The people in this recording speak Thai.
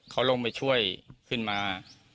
เขาลงไปช่วยขึ้นมา